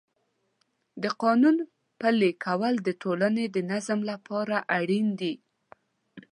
د قانون پلي کول د ټولنې د نظم لپاره اړین دی.